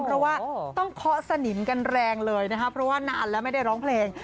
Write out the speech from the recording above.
เพราะว่าต้องเคาะสนิมกันแรงเลยนะคะเพราะว่านานแล้วไม่ได้ร้องเพลง